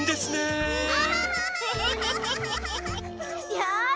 よし！